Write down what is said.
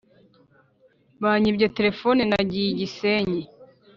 Banyibye telephone nagiye igisenyi